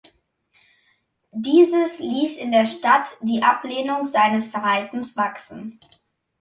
Dieses ließ in der Stadt die Ablehnung seines Verhaltens wachsen.